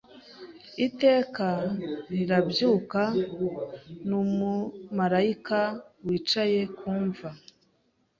Iteka rirabyuka numumarayika wicaye ku mva